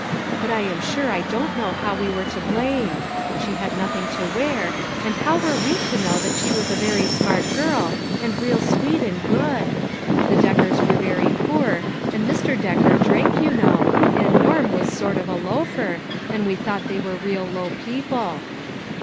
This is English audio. But I am sure I don't know how we were to blame ; she had nothing to wear, and how were we to know that she was a very smart girl, and real sweet and good ? The Deckers were very poor, and Mr. Decker drank, you know, and Norm was sort of a loafer, and we thought they were real low people."